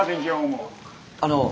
あの。